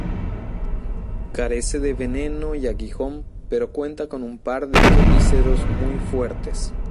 Carece de veneno y aguijón, pero cuenta con un par de quelíceros muy fuertes.